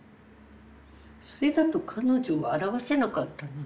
それだと彼女を表せなかったので。